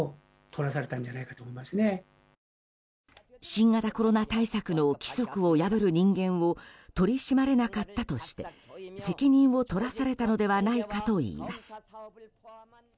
新型コロナ対策の規則を破る人間を取り締まれなかったとして責任を取らされたのではないかといいます。